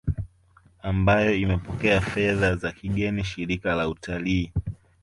ambayo imepokea fedha za kigeni Shirika la Utalii